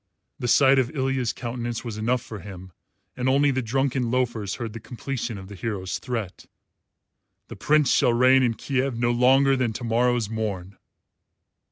The sight of Ilya's countenance was enough for him, and only the drunken loafers heard the completion of the hero's threat " the Prince shall reign in Kiev no longer than to morrow's morn."